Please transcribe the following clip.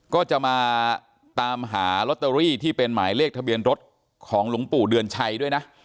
ก็จะมาตามหาลอตเตอรี่ที่เป็นหมายเลขทะเบียนรถของหลวงปู่เดือนชัยด้วยนะ